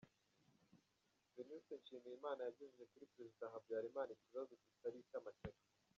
Venuste Nshimiyimana yagejeje kuri Perezida Habyarimana ikibazo kitari icy’amashyaka.